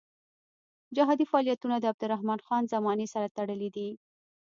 جهادي فعالیتونه د عبدالرحمن خان زمانې سره تړلي دي.